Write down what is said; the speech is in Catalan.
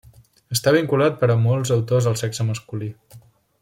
Està vinculat per a molts autors al sexe masculí.